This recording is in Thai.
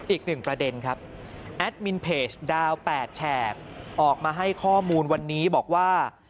อีกหนึ่งประเด็นครับแอดมินเพจดาว๘แฉกออกมาให้ข้อมูลวันนี้บอกว่า